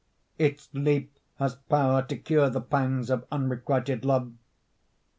Its leap has power To cure the pangs Of unrequited love.